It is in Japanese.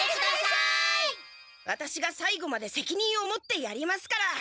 ワタシがさいごまでせきにんを持ってやりますから。